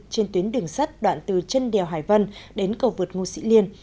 trên tuyến đường sắt đoạn từ chân đèo hải vân đến cầu vượt ngô sĩ liên